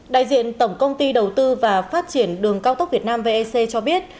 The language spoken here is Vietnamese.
đại diện tổng công ty đầu tư và phát triển đường cao tốc việt nam vec cho biết